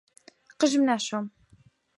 قژم ناشۆم.